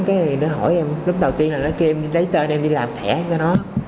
cái gì nó hỏi em lúc đầu tiên là nó kêu em lấy tên em đi làm thẻ cho nó